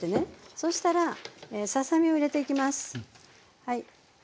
そうしたらささ身を入れていきます。